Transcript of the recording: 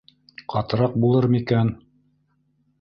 Ҡатыраҡ булыр микән?..